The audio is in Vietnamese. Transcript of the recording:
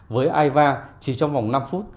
với aiva chỉ trong vòng năm phút